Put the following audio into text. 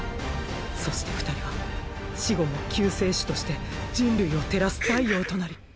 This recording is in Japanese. そして二人は死後も救世主として人類を照らす太陽となり。